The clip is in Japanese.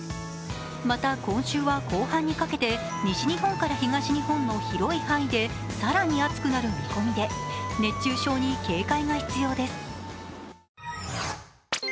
また、今週は後半にかけて西日本から東日本の広い範囲で更に暑くなる見込みで熱中症に警戒が必要です。